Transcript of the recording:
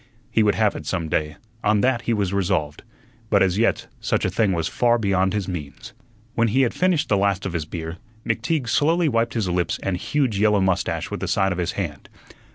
He would have it some day, on that he was resolved; but as yet such a thing was far beyond his means. When he had finished the last of his beer, McTeague slowly wiped his lips and huge yellow mustache with the side of his hand.